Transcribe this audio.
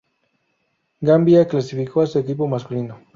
Gambia clasificó a su equipo masculino.